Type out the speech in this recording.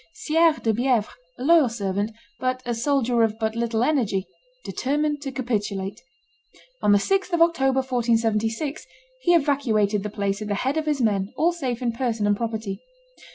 Sire de Bievres, a loyal servant, but a soldier of but little energy, determined to capitulate. On the 6th of October, 1476, he evacuated the place at the head of his men, all safe in person and property.